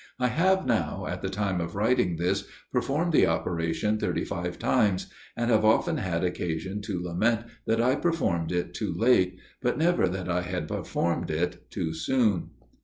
I have now, at the time of writing this, performed the operation thirty five times; and have often had occasion to lament that I performed it too late, but never that I had performed it too soon."